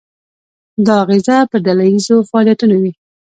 دا اغیزه په ډله ییزو فعالیتونو وي.